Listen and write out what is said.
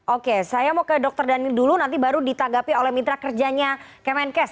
oke saya mau ke dr daniel dulu nanti baru ditanggapi oleh mitra kerjanya kemenkes